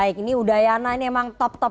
baik ini udayana ini emang top top